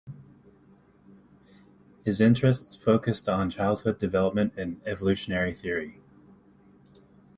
His interests focused on childhood development and evolutionary theory.